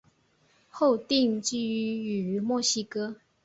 后定居于墨西哥。